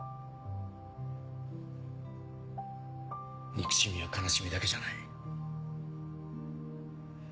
憎しみや悲しみだけじゃない。